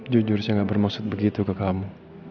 jujur saya gak bermaksud begitu ke kamu